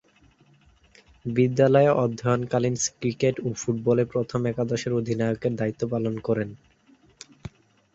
বিদ্যালয়ে অধ্যয়নকালীন ক্রিকেট ও ফুটবলে প্রথম একাদশের অধিনায়কের দায়িত্ব পালন করেন।